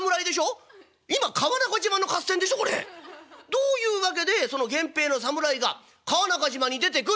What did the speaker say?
どういう訳で源平の侍が川中島に出てくるんです！？」。